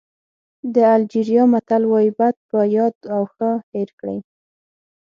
د الجېریا متل وایي بد په یاد او ښه هېر کړئ.